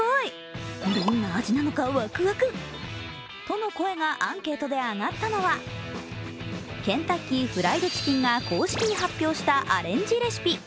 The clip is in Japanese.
との声がアンケートで上がったのはケンタッキーフライドチキンが公式に発表したアレンジレシピ。